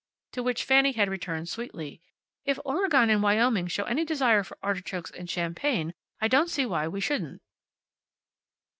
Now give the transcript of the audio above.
To which Fanny had returned, sweetly, "If Oregon and Wyoming show any desire for artichokes and champagne I don't see why we shouldn't."